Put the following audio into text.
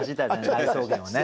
大草原をね。